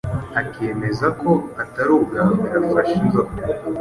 akemeza ko atari ubwa mbere afashe inzoka